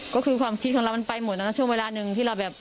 ก็คือความคิดของเรามันไปหมดนะช่วงเวลาหนึ่งที่เราแบบ